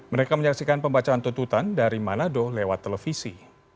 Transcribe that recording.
mereka menyaksikan pembacaan tuntutan dari manado lewat televisi